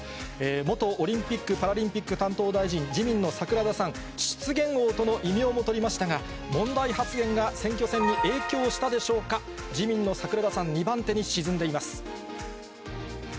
元オリンピック・パラリンピック担当大臣、自民の桜田さん、失言王との異名も取りましたが、問題発言が選挙戦に影響したでしょうか、自民党の桜田さん、２番手に沈んでいます。